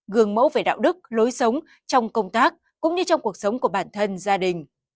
gương mẫu về đạo đức lối sống trong công tác cũng như trong cuộc sống của bản thân gia đình